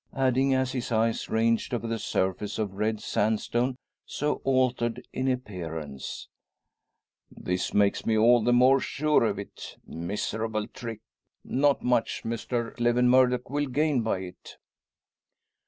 adding, as his eyes ranged over the surface of red sandstone, so altered in appearance, "This makes me all the more sure of it. Miserable trick! Not much Mr Lewin Murdock will gain by it."